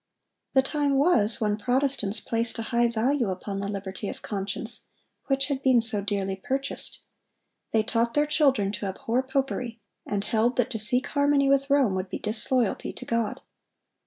The time was when Protestants placed a high value upon the liberty of conscience which had been so dearly purchased. They taught their children to abhor popery, and held that to seek harmony with Rome would be disloyalty to God.